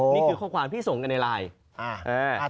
นี่คือข้อความที่ส่งกันในไลน์